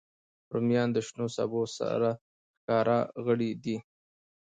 رومیان د شنو سبو سرښکاره غړی دی